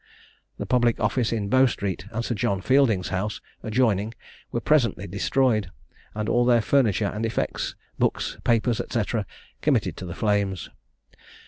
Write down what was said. The public office in Bow street, and Sir John Fielding's house, adjoining were presently destroyed, and all their furniture and effects, books, papers, &c. committed to the flames.